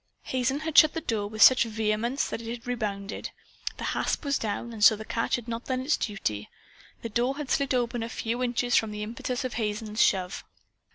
Hazen had shut the door with such vehemence that it had rebounded. The hasp was down, and so the catch had not done its duty. The door had slid open a few inches from the impetus of Hazen's shove.